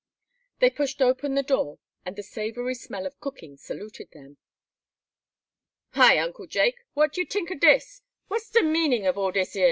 They pushed open the door, and the savory smell of cooking saluted them. "Hi, Uncle Jake, what you tink o' dis? what's de meanin' of all dis yer?"